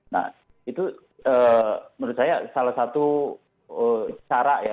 nah itu menurut saya salah satu cara ya